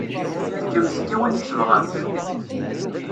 Fkemt-t i win i tebɣamt.